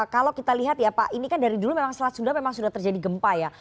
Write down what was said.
kalau kita lihat ya pak ini kan dari dulu memang selat sunda memang sudah terjadi gempa ya